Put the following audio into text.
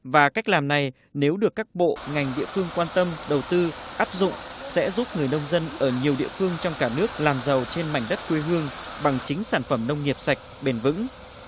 và cách làm này nếu được các bộ ngành địa phương quan tâm đầu tư áp dụng sẽ giúp người nông dân ở nhiều địa phương trong cả nước làm giàu trên mảnh đất quê hương bằng chính sản phẩm nông nghiệp sạch bền vững